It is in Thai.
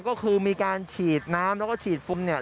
ก็คือมีการฉีดน้ำแล้วก็ฉีดฟุมเนี่ย